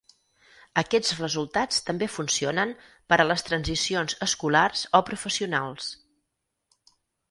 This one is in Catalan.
Aquests resultats també funcionen per a les transicions escolars o professionals.